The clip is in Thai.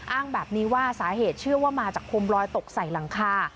อ้างแบบนี้ว่าสาเหตุเชื่อว่ามาจากโคมลอยตกใส่หลังคา